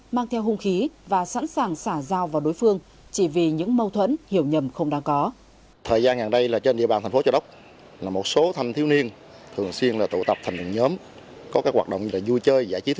mang theo hung khí và sẵn sàng xả dao vào đối phương chỉ vì những mâu thuẫn hiểu nhầm không đáng có